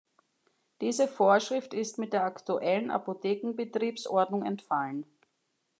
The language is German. Diese Vorschrift ist mit der aktuellen Apothekenbetriebsordnung entfallen.